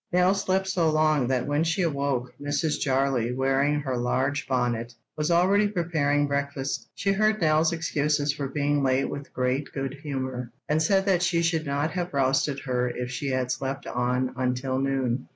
* Nell slept so long that when she awoke, Mrs. Jarley, wearing her large bonnet, was already preparing breakfast. She heard Nell's excuses for being late with great good humour, and said that she should not have roused her if she had slept on until noon.